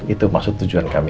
itu maksud tujuan kami